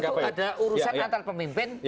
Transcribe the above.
itu adalah urusan antara pemimpin